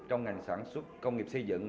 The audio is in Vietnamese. trong ngành sản xuất công nghiệp xây dựng